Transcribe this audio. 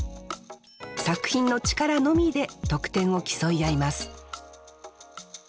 作品の力のみで得点を競い合います